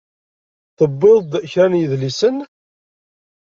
Tewwiḍ-d kra n yidlisen?